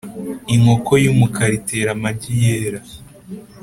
inkoko y'umukara itera amagi yera.